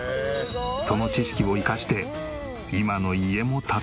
その知識を生かして今の家も建てたんだそう。